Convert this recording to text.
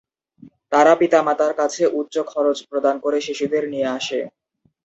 তারা পিতামাতার কাছে উচ্চ খরচ প্রদান করে শিশুদের নিয়ে আসে।